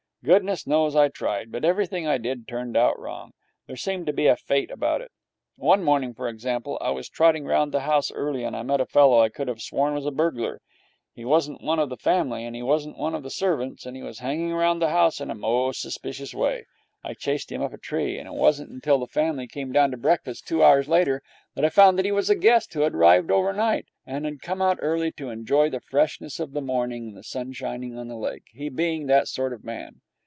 Goodness knows I tried. But everything I did turned out wrong. There seemed to be a fate about it. One morning, for example, I was trotting round the house early, and I met a fellow I could have sworn was a burglar. He wasn't one of the family, and he wasn't one of the servants, and he was hanging round the house in a most suspicious way. I chased him up a tree, and it wasn't till the family came down to breakfast, two hours later, that I found that he was a guest who had arrived overnight, and had come out early to enjoy the freshness of the morning and the sun shining on the lake, he being that sort of man.